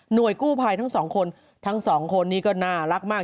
กู้ภัยทั้งสองคนทั้งสองคนนี้ก็น่ารักมาก